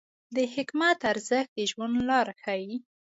د حکمت ارزښت د ژوند لار ښیي.